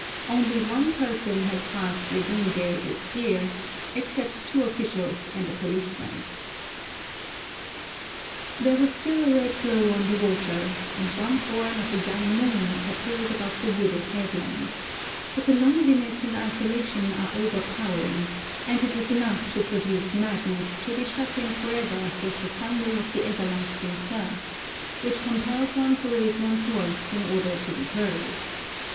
Only one person has passed Lebungé this year, except two officials and a policeman. There was still a red glow on the water, and one horn of a young moon appeared above the wooded headland; but the loneliness and isolation are overpowering, and it is enough to produce madness to be shut in for ever with the thunder of the everlasting surf, which compels one to raise one's voice in order to be heard.